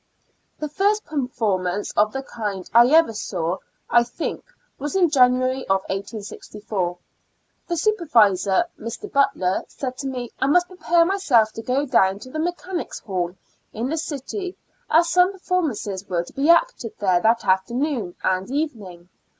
The first performance of the kind I ever saw, I think, was in January of 1864. The supervisor, Mr. Butler, said to me I must prepare myself to go down to Mechanics' Hall, in the city, as some performances were to be acted there that afternoon and evenino'.